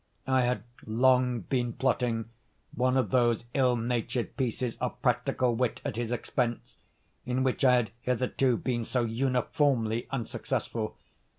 I had long been plotting one of those ill natured pieces of practical wit at his expense in which I had hitherto been so uniformly unsuccessful.